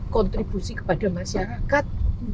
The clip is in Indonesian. kontribusi kepada masyarakat